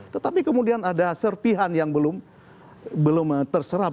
tetapi kemudian ada serpihan yang belum terserap